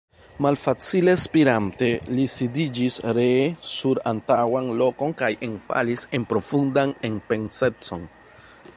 Malfacile spirante, li sidiĝis ree sur antaŭan lokon kaj enfalis en profundan enpensecon.